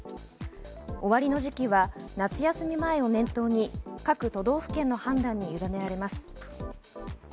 終わりの時期は夏休み前を念頭に各都道府県の判断にゆだねられます。